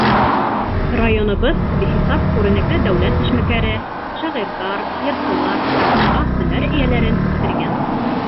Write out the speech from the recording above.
Районыбыҙ бихисап күренекле дәүләт эшмәкәре, шағирҙар, йырсылар һәм башҡа һөнәр эйәләрен үҫтергән.